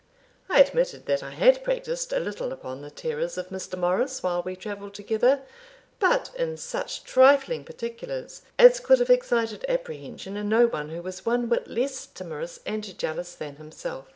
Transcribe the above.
I admitted that I had practised a little upon the terrors of Mr. Morris, while we travelled together, but in such trifling particulars as could have excited apprehension in no one who was one whit less timorous and jealous than himself.